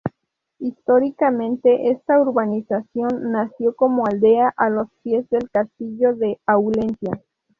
Históricamente esta urbanización nació como aldea a los pies del castillo de Aulencia.